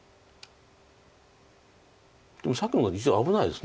でもさっきの実は危ないです